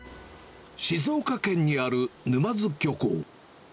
静岡県にある沼津漁港。